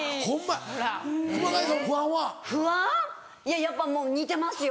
やっぱもう似てますよ